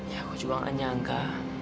ya gue juga gak nyangka